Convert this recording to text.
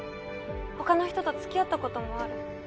他の人と付き合ったこともある。